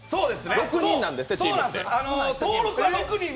６人なんですって、チームって。